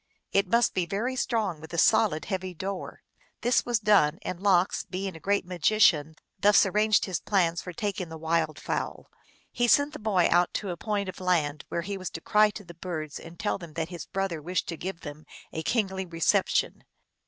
It must be very strong, with a heavy, solid door." This was done; and Lox, being THE MERRY TALES OF LOX. 187 a great magician, thus arranged his plans for taking the wild fowl. He sent the boy out to a point of land, where he was to cry to the birds and tell them that his brother wished to give them a kingly reception.